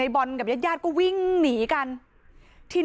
มีชายแปลกหน้า๓คนผ่านมาทำทีเป็นช่วยค่างทาง